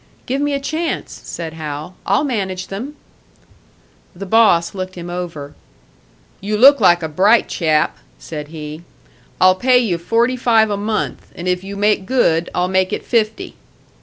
"Give me a chance," said Hal. "I'll manage them." The boss looked him over. "You look like a bright chap," said he. "I'll pay you forty five a month, and if you make good I'll make it fifty."